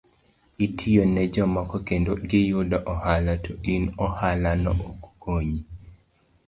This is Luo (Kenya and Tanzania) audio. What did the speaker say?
Itiyo ne jomoko kendo giyudo ohala to in ohala no ok konyi.